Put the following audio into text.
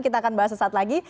kita akan bahas sesaat lagi